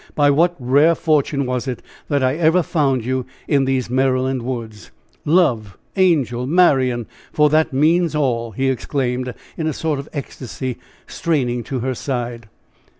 By what rare fortune was it that I ever found you in these Maryland woods? Love! Angel! Marian! for that means all!" he exclaimed, in a sort of ecstasy, straining her to his side.